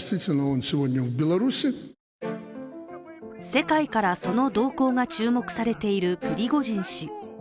世界からその動向が注目されているプリゴジン氏。